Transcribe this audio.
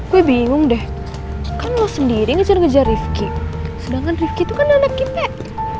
gue bingung deh kan lo sendiri ngejar ngejar rifki sedangkan rifki itu kan anak kita